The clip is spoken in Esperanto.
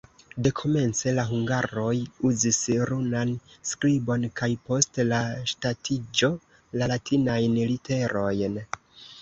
Dekomence la hungaroj uzis runan skribon kaj post la ŝtatiĝo la latinajn literojn.